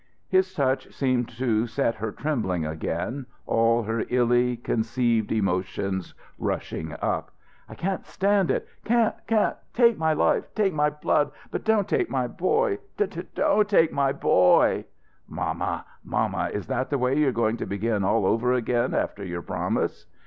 His touch seemed to set her trembling again, all her illy concealed emotions rushing up. "I can't stand it! Can't! Can't! Take my life take my blood, but don't take my boy don't take my boy " "Mamma, mamma, is that the way you're going to begin all over again after your promise?"